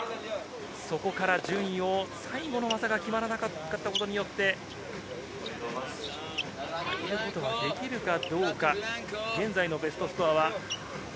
そこから順位を最後の技が決まらなかったことによって、上げることができるかどうか。